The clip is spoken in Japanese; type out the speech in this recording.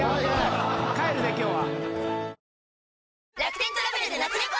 帰るで今日は。